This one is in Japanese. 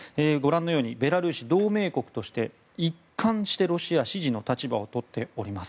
ベラルーシ同盟国として一貫してロシア支持の立場をとっています。